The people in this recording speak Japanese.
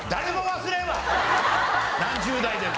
何十代でも。